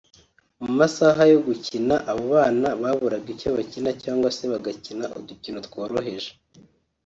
mu masaha yo gukina abo bana baburaga icyo bakina cyangwa se bagakina udukino tworoheje